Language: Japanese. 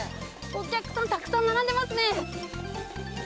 お客さん、たくさん並んでますね。